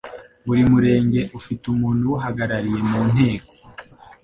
buri murenge ufite umuntu uwuhagarariye munteko